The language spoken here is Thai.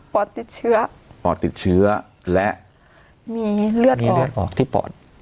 ปอดติดเชื้อปอดติดเชื้อและมีเลือดมีเลือดออกที่ปอด